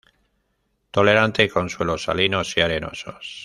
Tolerante con suelos salinos y arenosos.